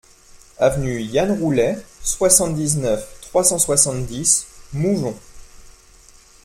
Avenue Yann Roullet, soixante-dix-neuf, trois cent soixante-dix Mougon